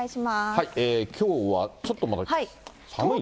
きょうは、ちょっとまだ寒いですね。